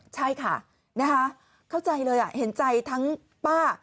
ใช่ค่ะนะคะเข้าใจเลยเห็นใจทั้งป้า